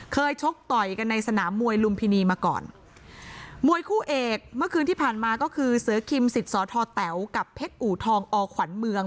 ชกต่อยกันในสนามมวยลุมพินีมาก่อนมวยคู่เอกเมื่อคืนที่ผ่านมาก็คือเสือคิมสิทธิ์สอทอแต๋วกับเพชรอู่ทองอขวัญเมือง